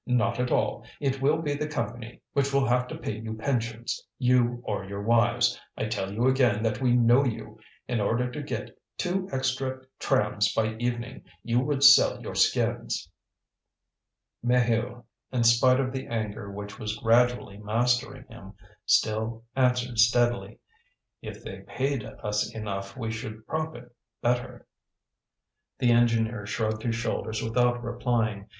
Not at all! it will be the Company which will have to pay you pensions, you or your wives. I tell you again that we know you; in order to get two extra trams by evening you would sell your skins." Maheu, in spite of the anger which was gradually mastering him, still answered steadily: "If they paid us enough we should prop it better." The engineer shrugged his shoulders without replying.